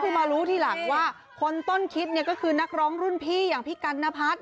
คือมารู้ทีหลังว่าคนต้นคิดเนี่ยก็คือนักร้องรุ่นพี่อย่างพี่กัณพัฒน์